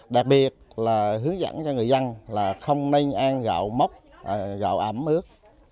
đặc biệt là hướng dẫn cho người dân là không nên ăn gạo mốc gạo ẩm ướt